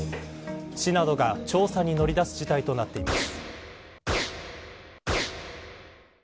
市などが調査に乗り出す事態となっています。